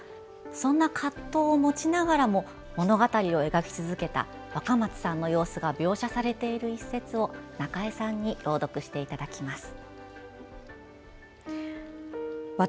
そんな葛藤を持ちながらも物語を描き続けた若松さんの様子が描写されている一節を中江さんに朗読していただきます。